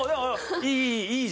いいいい。